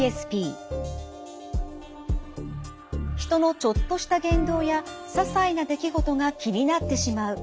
人のちょっとした言動やささいな出来事が気になってしまう